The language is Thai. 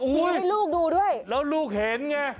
ชี้ให้ลูกดูด้วยแล้วลูกเห็นไง